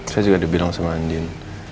saya juga udah bilang sama andien